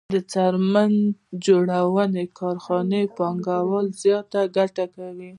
د څرمن جوړونې کارخانې پانګوال زیاته ګټه کوي